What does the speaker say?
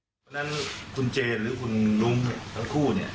เพราะฉะนั้นคุณเจนหรือคุณนุ้มทั้งคู่